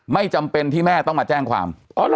ไม่จำเป็นที่แม่ต้องมาแจ้งความ